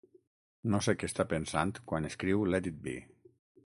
No sé què està pensant quan escriu "Let It Be".